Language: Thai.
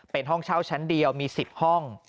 เป็นห้องเช่าชั้นเดียวมี๑๐ห้อง